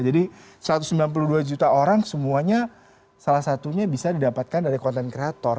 jadi satu ratus sembilan puluh dua juta orang semuanya salah satunya bisa didapatkan dari konten kreator